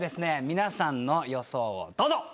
皆さんの予想をどうぞ！